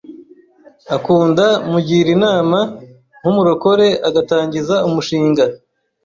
akunda mugira inama nk’umurokore agatangiza umushinga